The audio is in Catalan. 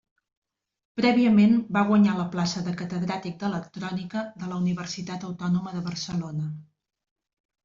Prèviament va guanyar la plaça de Catedràtic d'Electrònica de la Universitat Autònoma de Barcelona.